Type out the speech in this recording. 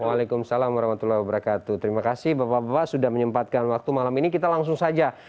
waalaikumsalam warahmatullahi wabarakatuh terima kasih bapak bapak sudah menyempatkan waktu malam ini kita langsung saja